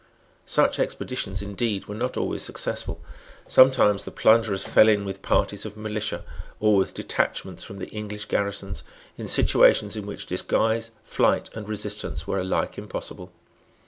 Such expeditions indeed were not always successful. Sometimes the plunderers fell in with parties of militia or with detachments from the English garrisons, in situations in which disguise, flight and resistance were alike impossible.